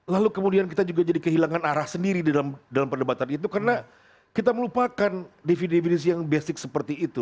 lalu kemudian kita juga jadi kehilangan arah sendiri dalam perdebatan itu karena kita melupakan defini definisi yang basic seperti itu